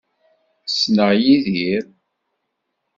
Ssneɣ Yidir.